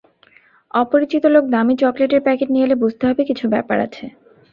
অপরিচিত লোক দামী চকলেটের প্যাকেট নিয়ে এলে বুঝতে হবে কিছু ব্যাপার আছে।